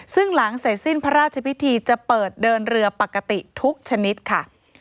ซึ่งหลังเสร็จสิ้นพระราชพิธีจะเปิดเดินเรือปกติทุกชนิดค่ะ